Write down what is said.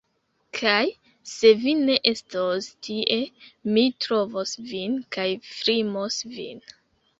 Kaj se vi ne estos tie, mi trovos vin kaj flimos vin.